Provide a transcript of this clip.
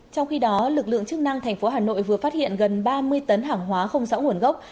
trong khi đó lực lượng chức năng thành phố hà nội vừa phát hiện gần ba mươi tấn hàng hóa không rõ nguồn gốc